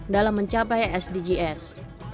dalam mencapai sdgs